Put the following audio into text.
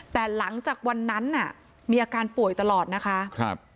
แต่หลังจากวันนั้นน่ะมีอาการป่วยตลอดนะคะครับ